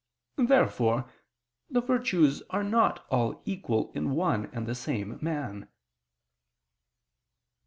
Therefore the virtues are not all equal in one and the same man.